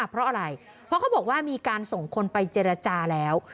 เพราะอะไรเพราะเขาบอกว่ามีการส่งคนไปเจรจาแล้ว